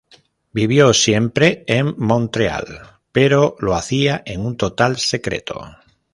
Vivió siempre en Montreal, pero lo hacía en un total secreto.